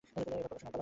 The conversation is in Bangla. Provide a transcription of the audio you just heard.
এবার প্রকাশনার পালা।